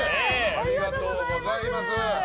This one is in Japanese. ありがとうございます！